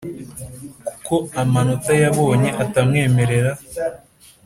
Kuko amanota yabonye atamwemerera